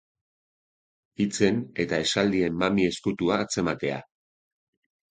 Hitzen eta esaldien mami ezkutua atzematea.